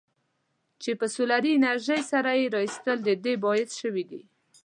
چې په سولري انرژۍ سره یې رایستل د دې باعث شویدي.